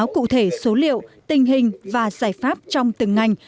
cụ thể số liệu tình hình và giải pháp trong từng ngành